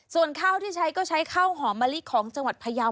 ส่วนข้าวที่ใช้ก็ใช้ข้าวหอมมะลิของจังหวัดพยาว